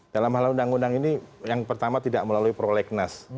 dalam hal undang undang ini yang pertama tidak melalui prolegnas